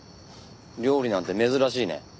料理なんて珍しいね。